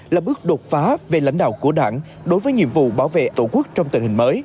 là bước đột phá về lãnh đạo của đảng đối với nhiệm vụ bảo vệ tổ quốc trong tình hình mới